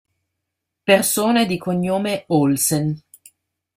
Persone di cognome Olsen